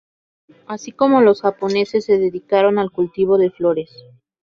Así como los japoneses se dedicaron al cultivo de flores.